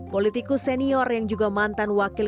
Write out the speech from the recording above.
politikus senior yang juga mantan wakil